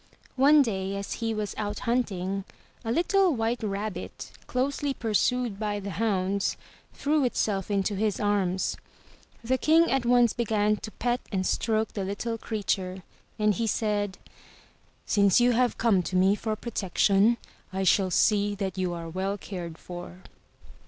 One day as he was out hunting, a little white rabbit, closely pursued by the hounds, threw itself into his arms. The King at once began to pet and stroke the little creature, and he said: "Since you have come to me for protection, I shall see that you are well cared for.